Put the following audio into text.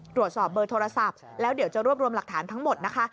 ตรวจสอบเบอร์โทรศัพท์แล้วเดี๋ยวจะรวบรวมหลักฐานทั้งหมดนะคะ